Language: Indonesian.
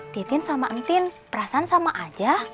titin sama entin perasaan sama aja